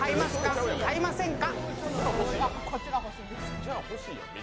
買いませんか？